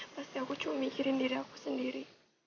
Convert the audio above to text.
pasti aku cuma mikirin diri aku sendiri